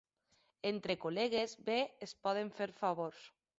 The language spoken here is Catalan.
Entre col·legues bé es poden fer favors.